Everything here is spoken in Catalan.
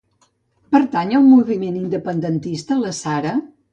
Pertany al moviment independentista la Sara?